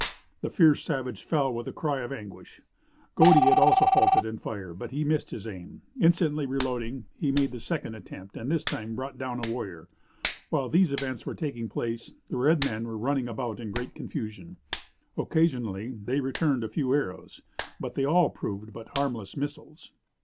The fierce savage fell with a cry of anguish. Godey had also halted and fired, but he missed his aim. Instantly reloading, he made the second attempt and this time brought down a warrior. While these events were taking place the red men were running about in great confusion. Occasionally they returned a few arrows, but they all proved but harmless missiles.